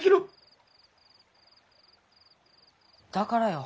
だからよ。